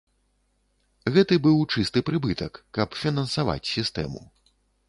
Гэты быў чысты прыбытак, каб фінансаваць сістэму.